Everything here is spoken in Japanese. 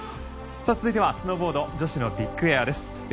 続いてはスノーボード女子ビッグエアです。